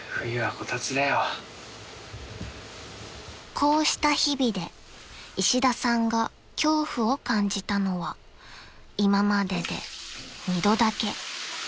［こうした日々で石田さんが恐怖を感じたのは今までで２度だけ］